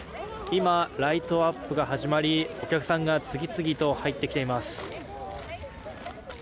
今、ライトアップが始まりお客さんが次々と入ってきています。